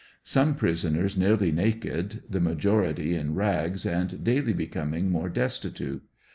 Some prisoners nearly naked, the majority in rags and daily becoming more destitute.